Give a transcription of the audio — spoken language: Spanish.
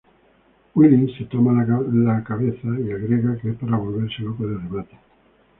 Willie se toma la cabeza y agrega que es para volverse loco de remate.